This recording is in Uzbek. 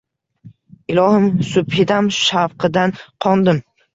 Ilohim, subhidam shavqidan qondim